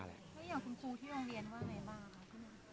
คุณครูที่เรียนว่าอะไรบ้าง